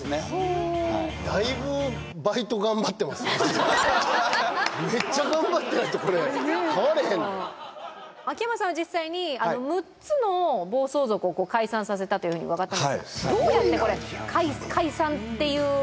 はいめっちゃ頑張ってないとこれ買われへん秋山さんは実際に６つの暴走族を解散させたというふうに伺ったんですがすごいな秋山さん